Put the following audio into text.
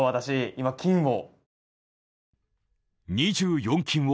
今、金を。